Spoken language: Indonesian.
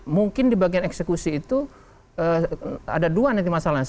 mungkin di bagian eksekusi itu ada dua nanti masalah